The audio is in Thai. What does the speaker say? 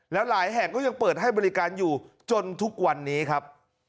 แล้วหลายแห่งก็ยังเปิดให้บริการอยู่จนทุกวันนี้ครับ